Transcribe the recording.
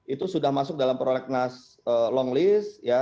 itu sudah masuk dalam prolegnas long list